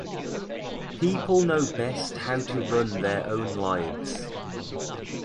People know best how to run their own lives.